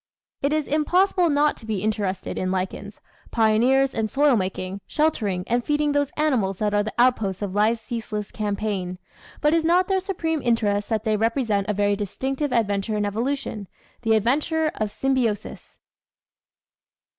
It is impossible not to be interested in lichens, pioneers in soil making, sheltering and feeding those animals that are the outposts of life's ceaseless campaign, but is not their supreme interest that they represent a very distinctive adventure in evolution the adventure of symbiosis?